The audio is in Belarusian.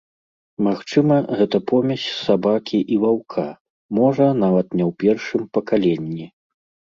Магчыма, гэта помесь сабакі і ваўка, можа, нават не ў першым пакаленні.